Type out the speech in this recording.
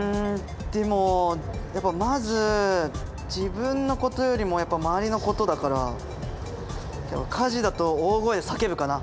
でもやっぱまず自分のことよりも周りのことだから火事だと大声で叫ぶかな。